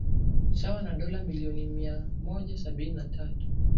sawa na dolo milioni mia moja sabini na tatu